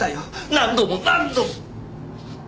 何度も何度も！